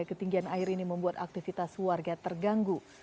ketinggian air ini membuat aktivitas warga terganggu